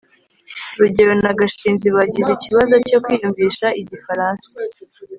rugeyo na gashinzi bagize ikibazo cyo kwiyumvisha igifaransa